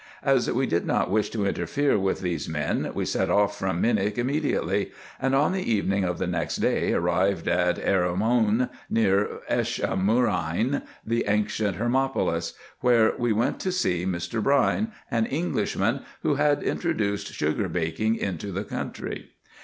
As we did not wish to interfere with these men, we set off from Minieh immediately, and on the evening of the next day arrived at Eraramoun near Eshmounein. the ancient Hermopolis. where we went to see Mr. Brine, an Englishman, who had introduced sugar baking into the country.